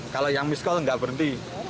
kalau yang miss call nggak berhenti